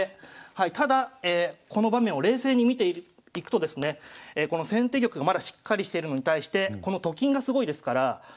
ただこの場面を冷静に見ていくとですね先手玉がまだしっかりしてるのに対してこのと金がすごいですから。